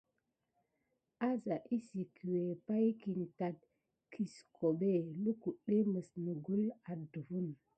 Ása ésəkué pay kin tate kiskobe lukudé mis nikule aɗef.